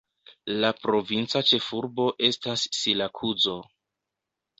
La provinca ĉefurbo estas Sirakuzo.